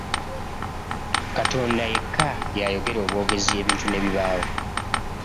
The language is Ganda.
Katonda yekka ye ayogera obwogezi, ebintu ne bibaawo.